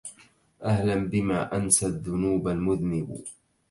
أهلا بما أنسى الذنوب المذنب